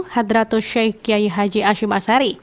hadratus sheikh kiai haji hashim asari